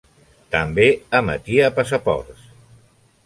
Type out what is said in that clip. També emetia passaports.